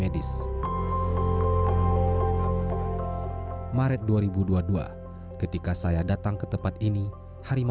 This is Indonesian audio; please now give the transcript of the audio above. dan baru berhasil terperangkap pada sebelas januari dua ribu dua puluh dua